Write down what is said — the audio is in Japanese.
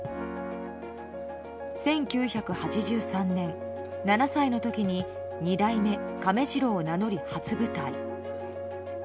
１９８３年、７歳の時に二代目亀治郎を名乗り初舞台。